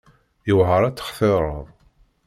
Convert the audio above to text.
Yewɛer ad textireḍ.